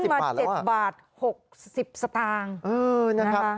คือขึ้นมา๗บาท๖๐สตางค์